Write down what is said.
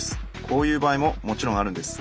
こういう場合ももちろんあるんです。